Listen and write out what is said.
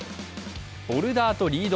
ボルダーとリード